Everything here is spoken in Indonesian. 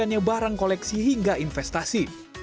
dan menjadikannya barang koleksi hingga investasi